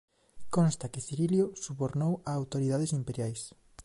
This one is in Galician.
Consta que Cirilo subornou a autoridades imperiais.